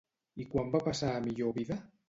I quan va passar a millor vida?